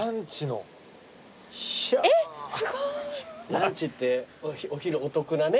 ランチってお昼お得なね。